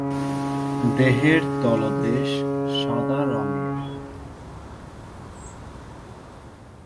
দেহের তলদেশ সাদা রঙের।